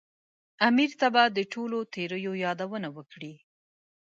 امیر ته به د ټولو تېریو یادونه وکړي.